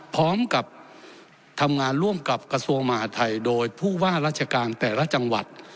พร้อมกับทำงานร่วมกับกระทรวงมหาทัยโดยผู้ว่าราชการแต่ละจังหวัด